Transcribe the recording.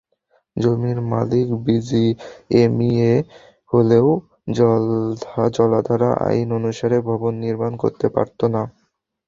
জমির মালিক বিজিএমইএ হলেও জলাধার আইন অনুসারে ভবন নির্মাণ করতে পারত না।